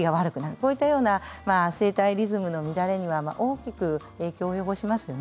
こういった生活リズムの乱れは大きく影響を及ぼすします。